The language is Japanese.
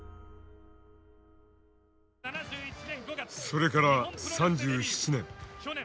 それから３７年。